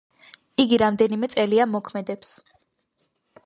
იგი რამდენიმე წელია მოქმედებს.